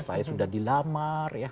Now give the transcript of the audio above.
saya sudah dilamar ya